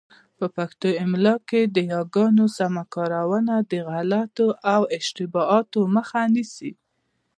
په پښتو املاء کي د یاګانو سمه کارونه د غلطیو او اشتباهاتو مخه نیسي.